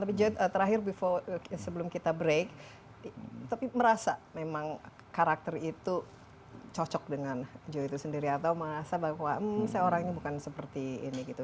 tapi joe terakhir bivo sebelum kita break tapi merasa memang karakter itu cocok dengan joe itu sendiri atau merasa bahwa saya orangnya bukan seperti ini gitu